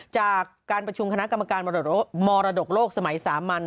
จากการประชุมคณะกรรมการมรดกโลกสมัยสามัญ